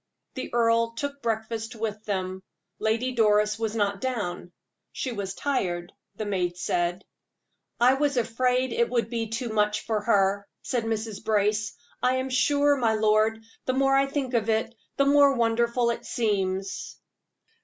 The earl took breakfast with them; Lady Doris was not down "she was tired," the maid said. "I was afraid it would be too much for her," said Mrs. Brace. "I am sure, my lord, the more I think of it, the more wonderful it seems."